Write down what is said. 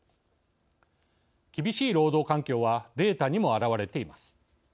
厳しい労働環境はデータにも表れています。